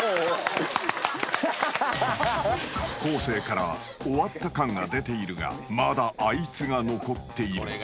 生から終わった感が出ているがまだあいつが残っている］